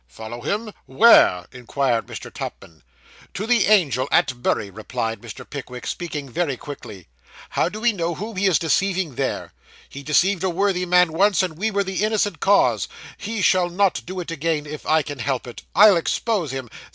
'Follow him! Where?' inquired Mr. Tupman. 'To the Angel at Bury,' replied Mr. Pickwick, speaking very quickly. 'How do we know whom he is deceiving there? He deceived a worthy man once, and we were the innocent cause. He shall not do it again, if I can help it; I'll expose him!